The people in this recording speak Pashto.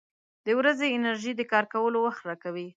• د ورځې انرژي د کار کولو وخت راکوي.